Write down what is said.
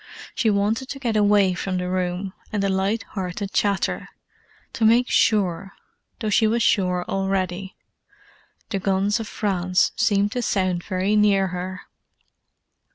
She wanted to get away from the room, and the light hearted chatter ... to make sure, though she was sure already. The guns of France seemed to sound very near her.